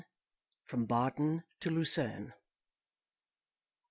From Baden to Lucerne.